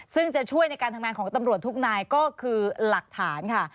ซึ่งจะช่วยในการทำงานของตำรวจทุกนายก็คือหลักฐานค่ะ